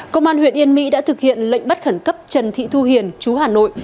công an huyện yên mỹ đã thực hiện lệnh bắt khẩn cấp trần thị thu hiền chú hà nội